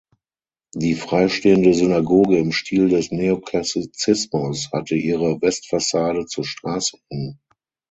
Die freistehende Synagoge im Stil des Neoklassizismus hatte ihre Westfassade zur Straße hin.